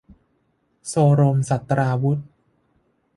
โซรมศัสตราวุธ